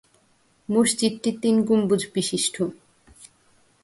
মসজিদটি তিন গম্বুজ বিশিষ্ট।